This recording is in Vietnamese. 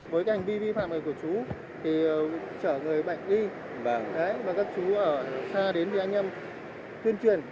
với hành vi vi phạm này của chú chở người bệnh đi và các chú ở xa đến đi anh em tuyên truyền